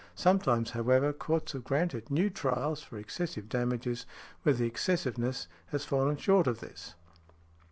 Sometimes, however, courts have granted new trials for excessive damages where the excessiveness has fallen short of this.